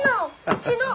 うちの！